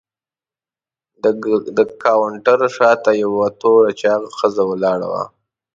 د کاونټر شاته یوه توره چاغه ښځه ولاړه وه.